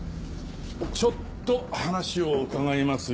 ちょっと話を伺いますよ